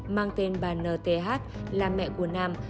mang tên bà nth là mẹ của nam